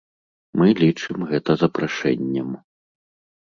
Мы лічым гэта запрашэннем.